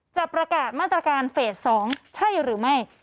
จะประกาศมาตรการเฟส๒ใช่หรือไม่